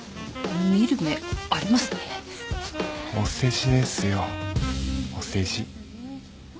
お世辞ですよお世辞。